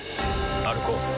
歩こう。